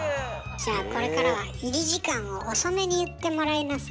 じゃあこれからは入り時間を遅めに言ってもらいなさい。